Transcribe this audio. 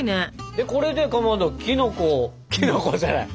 でこれでかまどきのこをきのこじゃない！